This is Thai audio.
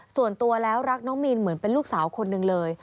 ส่วนตัวแล้วรักน้องมีนเหมือนเป็นลูกสาวคนหนึ่งเลย